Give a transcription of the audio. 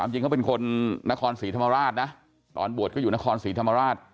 ยังเกิดเป็นคนนครศรีธรรมาราชนะออนับวทก็อยู่นครศรีธรมาราช